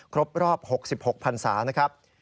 ครบรอบ๖๖พันศานะครับ